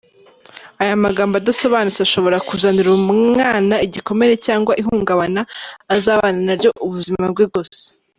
Aya magambo adasobanutse ashobora kuzanira umwana igikomere cyangwa ihungabana azabana naryo ubuzima bwe bwose.